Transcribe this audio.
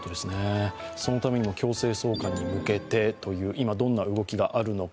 そのためにも強制送還に向けてという、今どんな動きがあるのか。